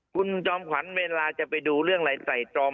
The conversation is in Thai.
คุณจอมขวัญเวลาจะไปดูเรื่องอะไรใส่ตรอง